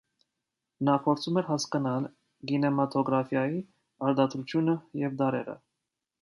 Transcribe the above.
Նա փորձում էր հասկանալ կինեմատոգրաֆիայի արտադրությունը և տարրերը։